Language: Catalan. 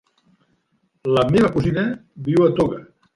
La meva cosina viu a Toga.